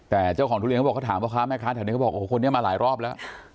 แต่เจ้าของทุเรียนเขาถามว่าคะแม่คะแต่เดี๋ยวก็บอกว่าคนนี้มาหลายรอบแล้ว